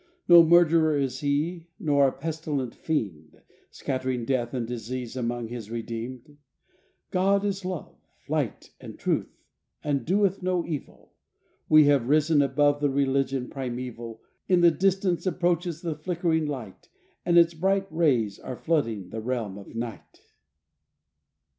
No murderer is he, nor a pestilent fiend Scattering death and disease among his redeemed God is Love, Light and Truth and doeth no evil, We have risen above the religion primeval, In the distance approaches the flickering light, And its bright rays are flooding the realm of night.